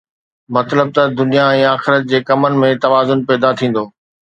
مطلب ته دنيا ۽ آخرت جي ڪمن ۾ توازن پيدا ٿيندو.